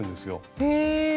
へえ。